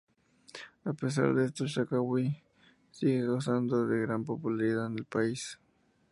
A pesar de esto, Saakashvili sigue gozando de gran popularidad en el país.